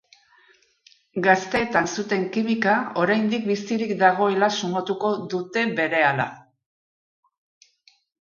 Gaztetan zuten kimika oraindik bizirik dagoela sumatuko duteberehala.